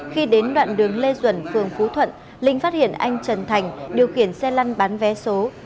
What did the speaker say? khi đến đoạn đường lê duẩn phường phú thuận linh phát hiện anh trần thành điều khiển xe lăn bán vé số